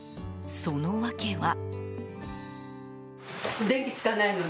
その訳は。